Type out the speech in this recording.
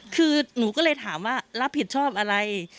คือหนูก็เลยถามว่ารับผิดชอบอะไร